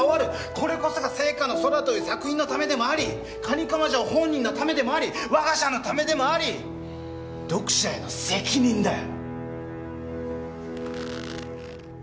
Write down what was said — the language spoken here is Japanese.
これこそが『ＳＥＩＫＡの空』という作品のためでもあり蟹釜ジョー本人のためでもあり我が社のためでもあり読者への責任だよ。